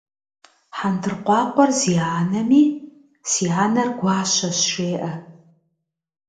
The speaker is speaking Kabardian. Хьэндыркъуакъуэр зи анэми, си анэр гуащэщ жеӏэ.